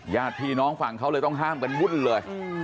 ญาติพี่น้องฝั่งเขาเลยต้องห้ามกันวุ่นเลย